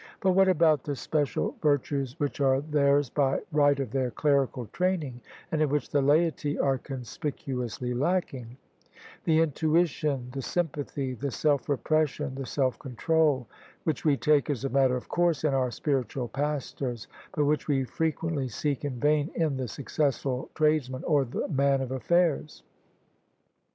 But what about the special virtues which are theirs by right of their clerical training, and in which the laity are conspicuously lacking: the intuition, the S5rmpathy, the self repression, the self control, which we take as a matter of course in our spiritual pastors, but which we frequently seek in vain in the successful tradesman or the man of affairs?